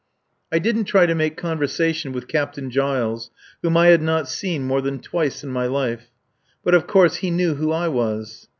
I didn't try to make conversation with Captain Giles, whom I had not seen more than twice in my life. But, of course, he knew who I was.